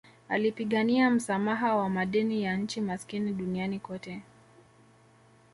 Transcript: Alipigania msamaha wa madeni ya nchi maskini duniani kote